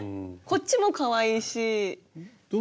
こっちもかわいいし。